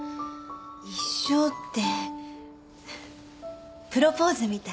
一生ってプロポーズみたい。